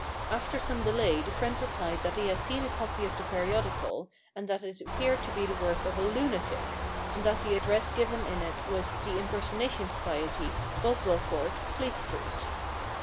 After some delay the friend replied that he had seen a copy of the periodical, and that it appeared to be the work of a lunatic, and that the address given in it was * The Impersonation Society, Boswell Court, Fleet Street.'